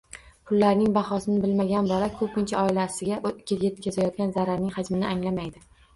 Pullarning bahosini bilmagan bola ko‘pincha oilasiga yetkazayotgan zararining hajmini anglamaydi.